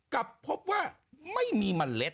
กลับพบว่าไม่มีเมล็ด